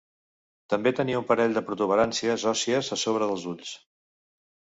També tenia un parell de protuberàncies òssies a sobre dels ulls.